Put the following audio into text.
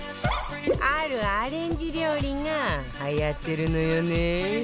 あるアレンジ料理がはやってるのよね